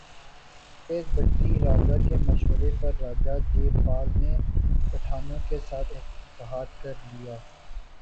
ایک بھٹی راجہ کے مشورے پر راجہ جے پال نے پٹھانوں کے ساتھ اتحاد کر لیا